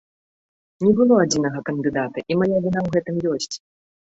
Не было адзінага кандыдата, і мая віна ў гэтым ёсць.